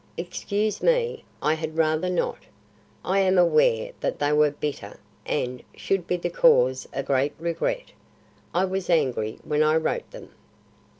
"Excuse me, I had rather not. I am aware that they were bitter and should be the cause of great regret. I was angry when I wrote them."